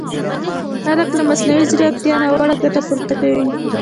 خلک له مصنوعي ځیرکیتا ناوړه ګټه پورته کوي!